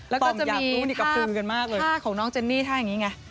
แล้วก็จะมีท่าของน้องเจนนี่ท่าอย่างนี้ไง